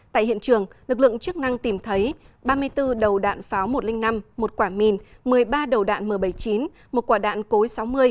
tại hiện trường lực lượng chức năng tìm thấy ba mươi bốn đầu đạn pháo một trăm linh năm một quả mìn một mươi ba đầu đạn m bảy mươi chín một quả đạn cối sáu mươi